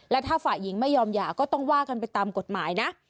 และถ้าฝ่ายหญิงไม่ยอมหย่าก็ต้องว่ากันไปตามกฎหมายนะ